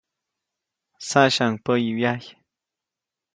Saʼsyaʼuŋ päyi wyajy.